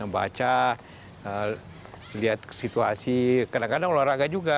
baca lihat situasi kadang kadang olahraga juga